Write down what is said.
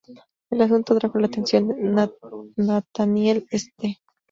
El asunto atrajo la atención de Nathaniel St.